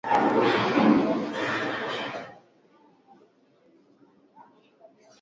Wanamuziki wengi wa awali Tanzania walitambulika kutokana na nyimbo zao kupigwa katika kituo hicho